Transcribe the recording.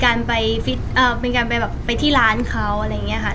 อันนี้เราก็ไม่ทราบเหมือนกันค่ะ